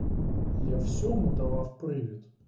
Я всьому давав привід.